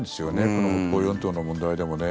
この北方四島の問題でもね。